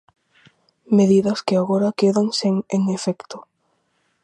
Medidas que agora quedan sen en efecto.